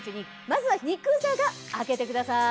まずは肉じゃが開けてください。